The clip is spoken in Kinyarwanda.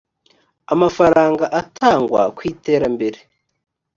amafaranga atangwa ku iterambere